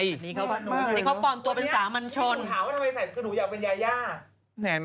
รู้จักไหมรู้พี่ถูกถามทำไมใส่ครูแดดเป็นยาย่า